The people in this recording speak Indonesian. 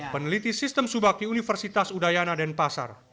peneliti sistem subak di universitas udayana dan pasar